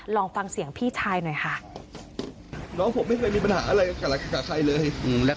ลองฟังเสียงพี่ชายหน่อยค่ะ